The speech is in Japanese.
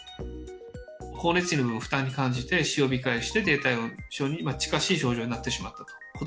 光熱費の負担を感じて、使用控えして、低体温症に近しい症状になってしまったと。